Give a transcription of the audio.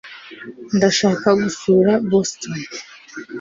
ndashaka gusura boston